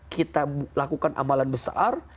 kita lakukan amalan besar